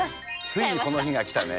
ついにこの日が来たね。